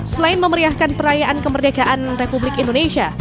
selain memeriahkan perayaan kemerdekaan republik indonesia